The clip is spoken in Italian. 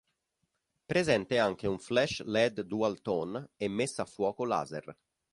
Presente anche un flash led dual tone e messa a fuoco laser.